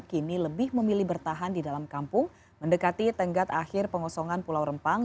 kini lebih memilih bertahan di dalam kampung mendekati tenggat akhir pengosongan pulau rempang